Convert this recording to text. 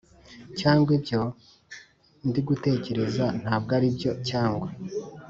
cyagwa ibyo ndigutekereza ntabwo aribyo cyagwa